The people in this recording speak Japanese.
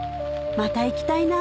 また行きたいな！